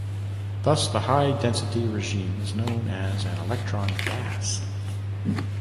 Thus the high-density regime is known as an "electron gas".